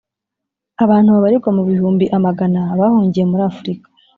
abantu babariwa mu bihumbi amagana bahungiye muri afurika